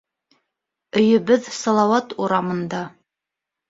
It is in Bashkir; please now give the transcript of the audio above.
Өйөбөҙ Салауат урамында